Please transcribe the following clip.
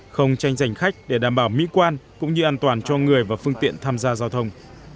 không tranh giành khách để đảm bảo mỹ quan cũng như an toàn cho người và phương tiện tham gia giao thông